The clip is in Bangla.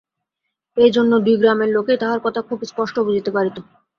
এই জন্য দুই গ্রামের লোকেই তাহার কথা খুব স্পষ্ট বুঝিতে পারিত।